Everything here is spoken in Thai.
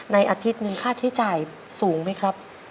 อาทิตย์หนึ่งค่าใช้จ่ายสูงไหมครับ